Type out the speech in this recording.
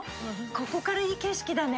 ここからいい景色だね。